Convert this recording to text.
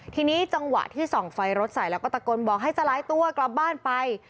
ทีนี้จังหวะที่ส่องไฟรถใส่แล้วก็ตะโกนบอกให้สลายตัวกลับบ้านไป